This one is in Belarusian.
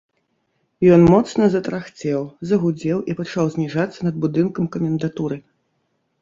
Ён моцна затарахцеў, загудзеў і пачаў зніжацца над будынкам камендатуры.